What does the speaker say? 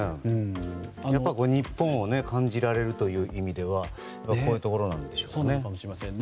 やっぱり日本を感じられるという意味ではこういうところなんでしょうね。